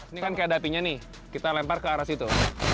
ini kan kayak ada apinya nih kita lempar ke arah situ